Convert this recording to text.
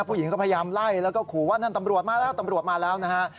ผู้หญิงก็พยายามไล่แล้วก็ขู่ว่านั่นตำรวจมาแล้วตำรวจมาแล้วนะฮะ